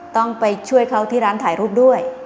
ต้องไปช่วยเขาที่ร้านถ่ายรูปด้วย